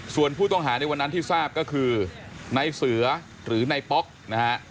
ส่วนผู้ต้องหาในวันนั้นที่ทราบก็คือในเสือหรือนายป๊อกนะฮะ